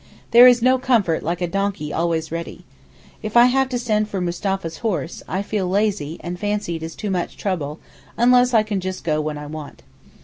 There is no comfort like a donkey always ready. If I have to send for Mustapha's horse, I feel lazy and fancy it is too much trouble unless I can go just when I want.